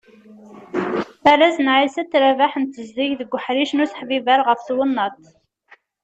Arraz n Aysat Rabaḥ n tezdeg deg uḥric n useḥbiber ɣef twennaḍt.